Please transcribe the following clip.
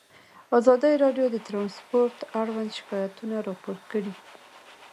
ازادي راډیو د ترانسپورټ اړوند شکایتونه راپور کړي.